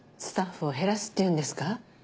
スタッフを減らすっていうんですか？